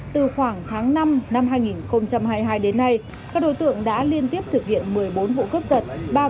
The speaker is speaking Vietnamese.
từ khoảng tháng năm năm hai nghìn hai mươi hai đến nay các đối tượng đã liên tiếp thực hiện một mươi bốn vụ cướp giật